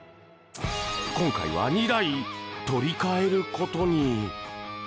今回は２台、取り替えることに。